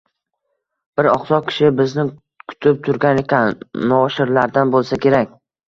Bir oqsoq kishi bizni kutib turgan ekan, noshirlardan bo’lsa kerak